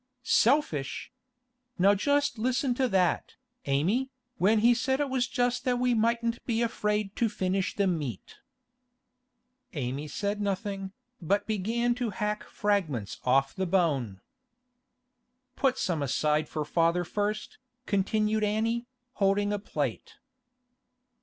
'Selfish! Now just listen to that, Amy! when he said it just that we mightn't be afraid to finish the meat.' Amy said nothing, but began to hack fragments off the bone. 'Put some aside for father first,' continued Annie, holding a plate.